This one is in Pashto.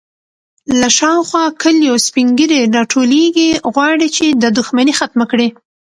_له شاوخوا کليو سپين ږيرې راټولېږي، غواړي چې دا دښمنې ختمه کړي.